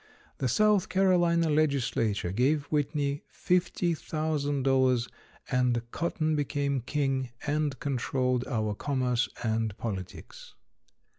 The South Carolina legislature gave Whitney $50,000 and cotton became king and controlled our commerce and politics.